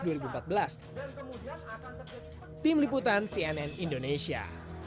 tim liputan cnn indonesia